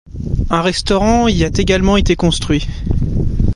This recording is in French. Un restaurant y a également été construit.